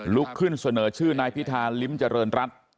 ลุกขึ้นเสนอชื่อนายพิธาลิ้มเจริญรัฐ